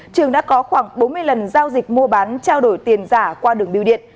trường đã có khoảng bốn mươi lần giao dịch mua bán trao đổi tiền giả qua đường biêu điện